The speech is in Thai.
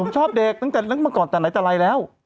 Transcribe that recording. ชอบเด็กตั้งแต่ไหนตลายแล้ว